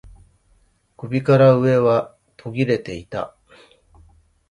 首から上は途切れていた